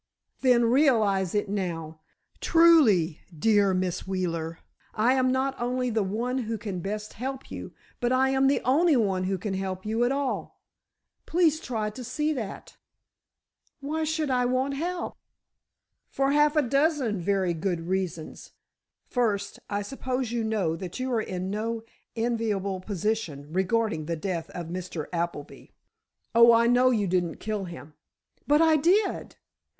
"Then realize it now. Truly, dear Miss Wheeler, I am not only the one who can best help you, but I am the only one who can help you at all—please try to see that." "Why should I want help?" "For half a dozen very good reasons. First, I suppose you know that you are in no enviable position regarding the death of Mr. Appleby. Oh, I know you didn't kill him——" "But I did!"